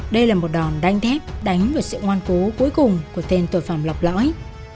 đây là một đòn đánh thép đánh vào sự ngoan cố cuối cùng của tên tội phạm lọc lõi